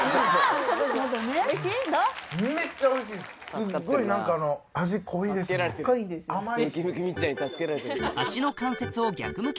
すっごい味濃いですね甘い。